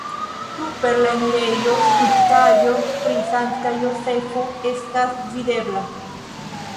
Super la enirejo skulptaĵo pri Sankta Jozefo estas videbla.